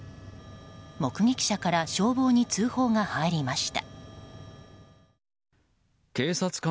目撃者から消防に通報が入りました。